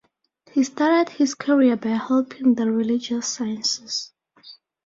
He started his career by helping the religious sciences.